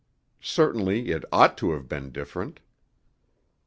Certainly it ought to have been different.